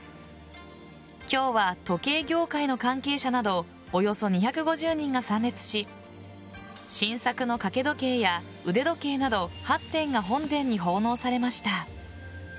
今日は時計業界の関係者などおよそ２５０人が参列し新作の掛け時計や腕時計など８点が本殿に奉納されました。